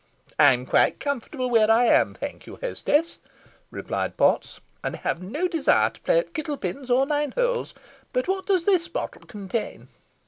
"I'm quite comfortable where I am, thank you, hostess," replied Potts, "and have no desire to play at kittle pins or nine holes. But what does this bottle contain?"